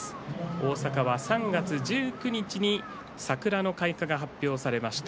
大阪は３月１９日に桜の開花が発表されました。